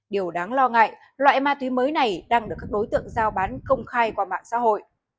điều đáng lo ngại loại ma túy mới này đang được các đối tượng giao bán công khai qua mạng xã hội